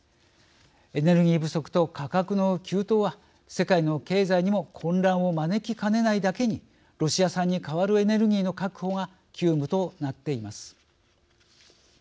エネルギー不足と価格の急騰は世界の経済にも混乱を招きかねないだけにロシア産に代わるエネルギーの確保が急務となっています。